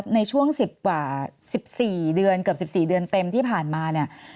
ในช่วง๑๐กว่า๑๔เดือนเกือบ๑๔เดือนเต็มที่ผ่านมาเนี่ย